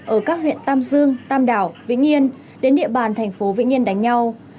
ở các huyện tam dương tam đảo vĩnh yên đến địa bàn thành phố vĩnh yên đánh nhau